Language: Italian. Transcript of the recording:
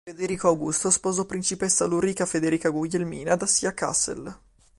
Federico Augusto sposò principessa Ulrica Federica Guglielmina d'Assia-Kassel.